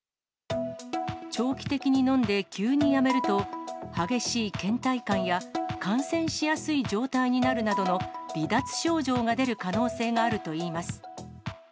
長期的に飲んで急にやめると、激しいけん怠感や感染しやすい状態になるなどの離脱症状が出る可能性があるといいます。